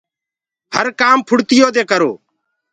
هر ڪآم ڦُڙتيو دي ڪرو۔